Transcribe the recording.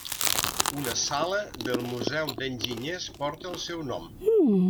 Una sala del Museu d’Enginyers porta el seu nom.